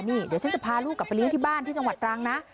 นี่เดี๋ยวฉันจะพาลูกกลับไปเลี้ยงที่บ้านที่จังหวัดตรังนะ